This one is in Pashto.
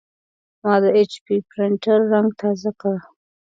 ما د ایچ پي پرنټر رنګ تازه کړ.